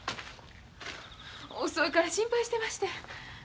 遅いから心配してましてん。